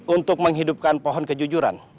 untuk menghidupkan pohon kejujuran